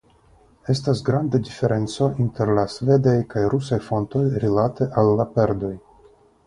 Estas granda diferenco inter la svedaj kaj rusaj fontoj rilate al la perdoj.